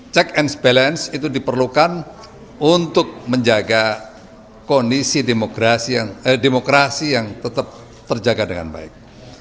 check and balance itu diperlukan untuk menjaga kondisi demokrasi yang tetap terjaga dengan baik